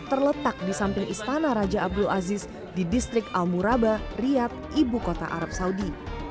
terletak di samping istana raja abdul aziz di distrik al muraba riyad ibu kota arab saudi